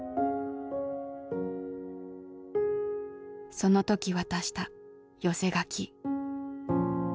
その時渡した寄せ書き。